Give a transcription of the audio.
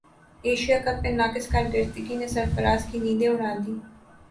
Asia cup میں ناقص کارکردگی نے سرفراز کی نیندیں اڑا دیں